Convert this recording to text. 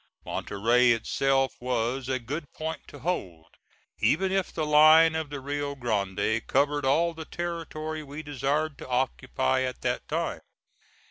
Monterey itself was a good point to hold, even if the line of the Rio Grande covered all the territory we desired to occupy at that time.